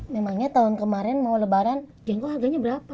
memangnya tahun kemarin mau lebaran jengko harganya berapa